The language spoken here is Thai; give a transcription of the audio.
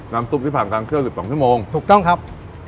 น้ำซุปที่ผ่านกลางเที่ยวสิบสองชั่วโมงถูกต้องครับ